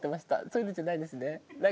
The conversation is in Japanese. そういうのじゃないんですね。